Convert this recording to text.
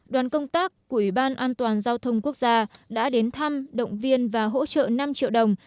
đoàn công tác của ủy ban an toàn giao thông quốc gia đã đến thăm động viên và hỗ trợ năm triệu đồng